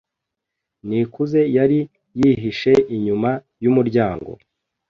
Nikuze yari yihishe inyuma yumuryango.